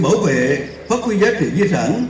và giải quyết bảo tồn phát huy giá trị di sản